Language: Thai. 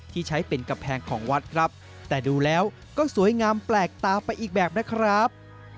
ที่ใช้เป็นกำแพงของวัดครับแต่ดูแล้วก็สวยงามแปลกตาไปอีกแบบนะครับ